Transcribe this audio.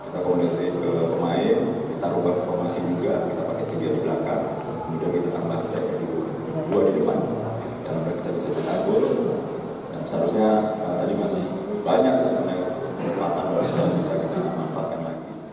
timnas indonesia lolos ke babak final setelah mencetak gol